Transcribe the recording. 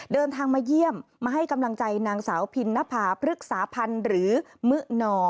เดินทางมาเยี่ยมมาให้กำลังใจนางสาวพินนภาพฤกษาพันธ์หรือมื้อนอ